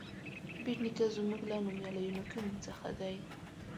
بېټ نیکه زموږ له نومیالیو نیکونو څخه دی.